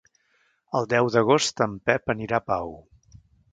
El deu d'agost en Pep anirà a Pau.